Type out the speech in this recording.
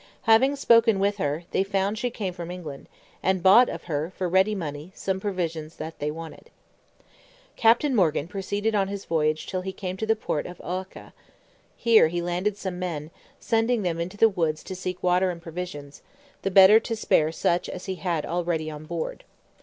Having spoken with her, they found she came from England, and bought of her, for ready money, some provisions they wanted. Captain Morgan proceeded on his voyage till he came to the port of Ocoa; here he landed some men, sending them into the woods to seek water and provisions, the better to spare such as he had already on board.